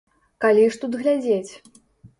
Калі ж тут глядзець?